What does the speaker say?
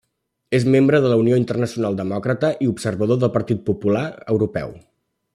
És membre de la Unió Internacional Demòcrata i observador del Partit Popular Europeu.